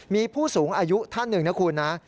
มีผู้สูงอายุท่านหนึ่งนะคุณนะ